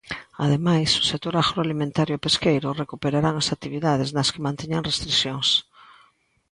Ademais, o sector agroalimentario e pesqueiro recuperarán as actividades nas que mantiñan restricións.